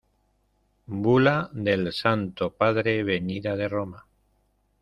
bula del Santo Padre, venida de Roma.